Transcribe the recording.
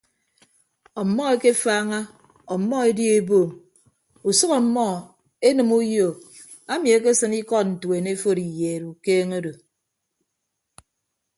Ọmmọ akefaaña ọmmọ edio eboom usʌk ọmmọ enịme uyo ami ekesịn ikọd ntuen eforo iyeed ukeeñe odo.